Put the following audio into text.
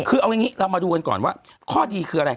คือเอาอย่างนี้เรามาดูกันก่อนว่าข้อดีคืออะไร